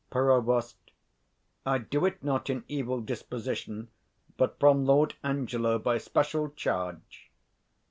Prov. I do it not in evil disposition, But from Lord Angelo by special charge.